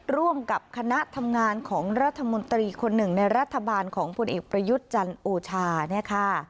ร่วมกับคณะทำงานของรัฐมนตรีคนหนึ่งในรัฐบาลของผลเอกประยุทธ์จันทร์โอชาเนี่ยค่ะ